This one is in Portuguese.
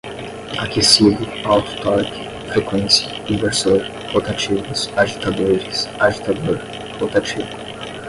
aquecido, alto torque, frequência, inversor, rotativos, agitadores, agitador, rotativo